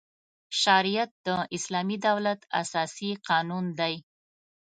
شریعت د اسلامي دولت اساسي قانون دی.